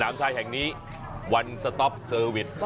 สนามชายแห่งนี้วันสต๊อปเซอร์วิทย์